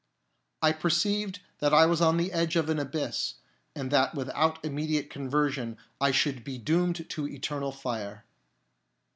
I perceived that I was on the edge of an abyss, and that without an immediate conversion I should be doomed to eternal fire.